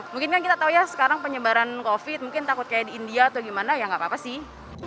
mungkin kan kita tahu ya sekarang penyebaran covid mungkin takut kayak di india atau gimana ya nggak apa apa sih